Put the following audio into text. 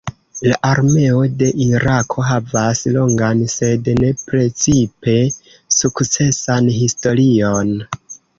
La armeo de Irako havas longan sed ne precipe sukcesan historion.